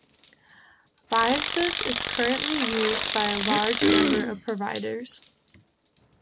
Viaccess is currently used by a large number of providers.